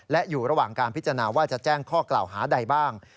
และอยู่ระหว่างการพิจารณาว่าจะแจ้งข้อกล่าวหาใดบ้าง